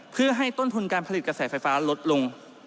เพื่อให้ต้นทุนการผลิตกระแสไฟฟ้าลดลง